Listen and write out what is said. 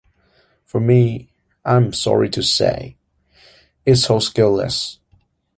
For me, I am sorry to say, it's all scaleless.